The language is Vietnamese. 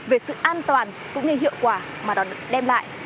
về sự an toàn cũng như hiệu quả mà nó đem lại